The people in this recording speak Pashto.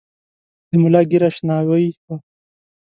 د ملا ږیره شناوۍ وه .